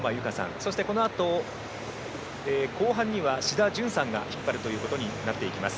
そして、このあと後半には志田淳さんが引っ張るということになっていきます。